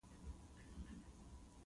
نور لیکونه هم پیدا شول.